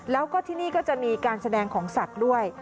แล้วก็ที่นี่ก็จะมีการแสดงของสัตว์ด้วย